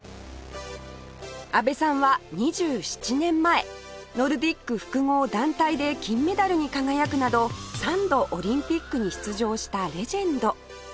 阿部さんは２７年前ノルディック複合団体で金メダルに輝くなど３度オリンピックに出場したレジェンド